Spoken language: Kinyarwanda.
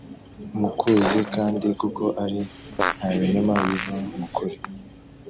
mukuzi kandi kuko ari nta binyoma biva mu kuri